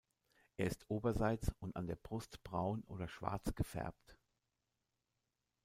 Er ist oberseits und an der Brust braun oder schwarz gefärbt.